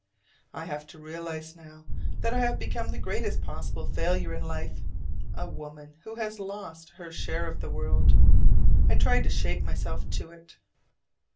I have to realize now that I have become the greatest possible failure in life, a woman who has lost her "share of the world": I try to shape myself to it.